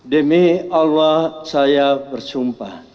demi allah saya bersumpah